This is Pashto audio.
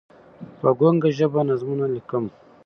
په ګونګه ژبه نظمونه لیکم